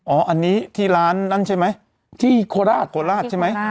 อันนี้ที่ร้านนั้นใช่ไหมที่โคราชโคราชใช่ไหม